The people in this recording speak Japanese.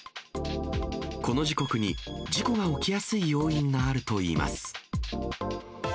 この時刻に事故が起きやすい要因があるといいます。